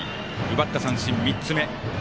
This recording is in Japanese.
奪った三振３つ目。